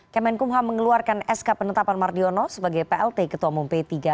kemenkumham mengeluarkan sk penetapan mardiono sebagai plt ketua umum p tiga